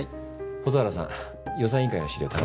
蛍原さん予算委員会の資料頼む。